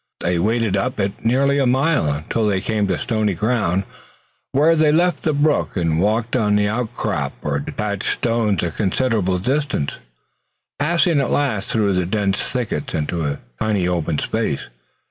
They waded up it nearly a mile until they came to stony ground, when they left the brook and walked on the outcrop or detached stones a considerable distance, passing at last through dense thickets into a tiny open space.